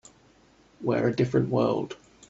We're a different world.